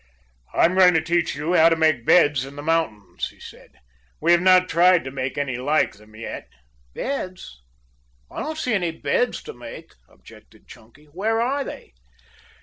"I'm going to teach you how to make beds in the mountains," he said. "We have not tried to make any like them yet " "Beds? I don't see any beds to make," objected Chunky. "Where are they?"